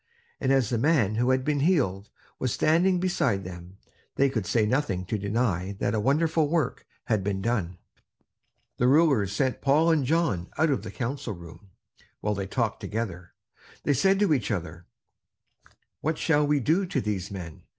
And as the man who had been healed was standing beside them, they could say nothing to deny that a wonderful work had been done. The rulers sent Peter and John out of the council room, while they talked together. They said to each other: "What shall we do to these men?